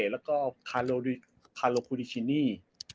แล้วก็คาโลคูดิชินี